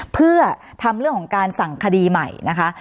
เพื่อทำเรื่องของการสั่งคดีใหม่นะคะ